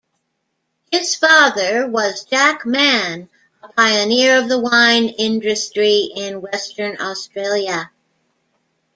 His father was Jack Mann, a pioneer of the wine industry in Western Australia.